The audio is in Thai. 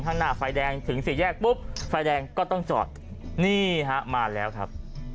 ข้างหน้าไฟแดงถึงสี่แยกปุ๊บไฟแดงก็ต้องจอดนี่ฮะมาแล้วครับ